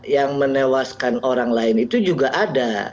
yang menewaskan orang lain itu juga ada